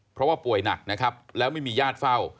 เพราะว่าป่วยหนักนะครับแล้วไม่มีญาติเฝ้า